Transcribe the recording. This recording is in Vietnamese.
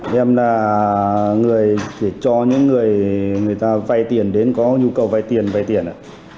em là người để cho những người người ta vay tiền đến có nhu cầu vay tiền vay tiền ạ